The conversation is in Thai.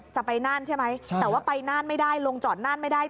ไปน่านใช่ไหมแต่ว่าไปน่านไม่ได้ลงจอดน่านไม่ได้